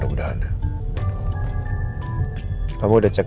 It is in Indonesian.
bang sudah semuanya apa